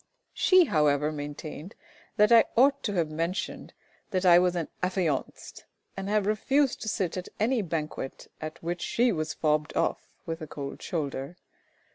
She, however, maintained that I ought to have mentioned that I was an affianced, and have refused to sit at any banquet at which she was fobbed off with a cold shoulder.